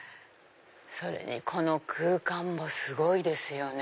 それにこの空間もすごいですよ。